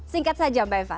singkat saja mbak eva